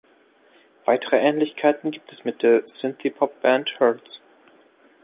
Weitere Ähnlichkeiten gibt es mit der Synthiepop Band Hurts.